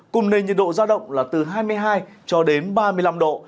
cùng nền nhiệt độ ra động là từ hai mươi hai cho đến ba mươi năm độ